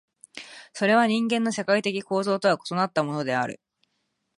それは人間の社会的構造とは異なったものである。